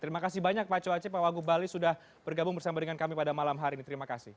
terima kasih banyak pak cuace pak wagub bali sudah bergabung bersama dengan kami pada malam hari ini terima kasih